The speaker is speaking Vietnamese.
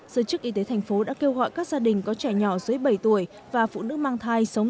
giới chức y tế thành phố đã kêu gọi các gia đình có trẻ nhỏ dưới bảy tuổi và phụ nữ mang thai sống